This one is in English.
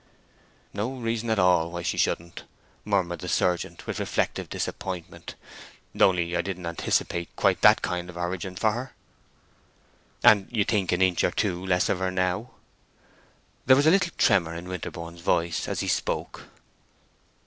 "No reason at all why she shouldn't," murmured the surgeon, with reflective disappointment. "Only I didn't anticipate quite that kind of origin for her." "And you think an inch or two less of her now." There was a little tremor in Winterborne's voice as he spoke.